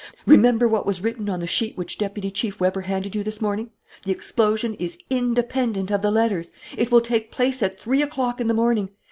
Remember what was written on the sheet which Deputy Chief Weber handed you this morning: 'The explosion is independent of the letters. It will take place at three o'clock in the morning.'